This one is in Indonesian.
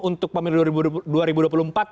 untuk pemilu dua ribu dua puluh empat